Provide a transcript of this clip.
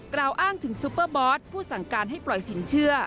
กล่าวอ้างถึงซูเปอร์บอสผู้สั่งการให้ปล่อยสินเชื่อ